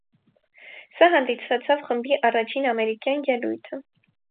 Սա հանդիսացավ խմբի առաջին ամերիկյան ելույթը։